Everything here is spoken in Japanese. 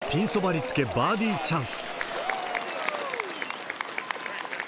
ピンそばにつけバーディーチャンス。